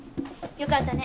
よかったね。